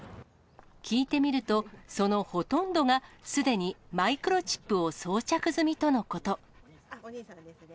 聞いてみると、そのほとんどが、すでにマイクロチップを装着済みとのこと。